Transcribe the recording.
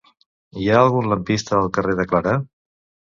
Hi ha algun lampista al carrer de Clarà?